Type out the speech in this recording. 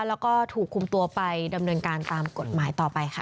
แล้วก็ถูกคุมตัวไปดำเนินการตามกฎหมายต่อไปค่ะ